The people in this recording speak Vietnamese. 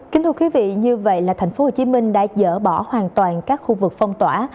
kính thưa quý vị như vậy là thành phố hồ chí minh đã dỡ bỏ hoàn toàn các khu vực phong tỏa